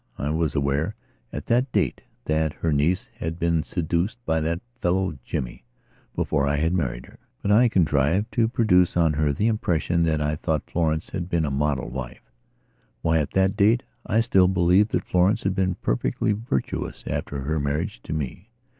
I was aware, at that date, that her niece had been seduced by that fellow Jimmy before I had married herbut I contrived to produce on her the impression that I thought Florence had been a model wife. Why, at that date I still believed that Florence had been perfectly virtuous after her marriage to me.